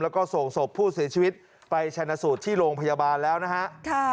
แล้วก็ส่งศพผู้เสียชีวิตไปชนะสูตรที่โรงพยาบาลแล้วนะฮะ